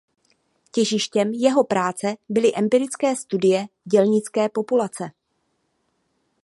Těžištěm jeho práce byly „empirické studie dělnické populace“.